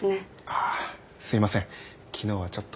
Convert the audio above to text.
あすいません昨日はちょっと。